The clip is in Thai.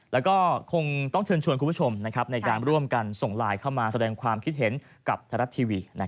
แล้วก็คงต้องเชิญชวนคุณผู้ชมในการร่วมกันส่งไลน์เข้ามาแสดงความคิดเห็นกับไทยรัฐทีวี